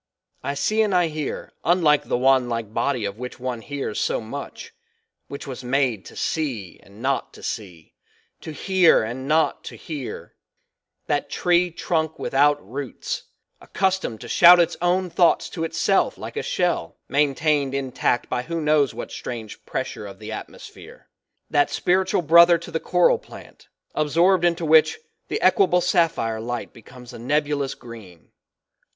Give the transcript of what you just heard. I see and I hear, unlike the wandlike body of which one hears so much, which was made to see and not to see; to hear and not to hear; that tree trunk without roots, accustomed to shout its own thoughts to itself like a shell, maintained intact by who knows what strange pressure of the atmosphere; that spiritual brother to the coral plant, absorbed into which, the equable sapphire light becomes a nebulous green.